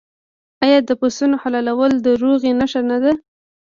آیا د پسونو حلالول د روغې نښه نه ده؟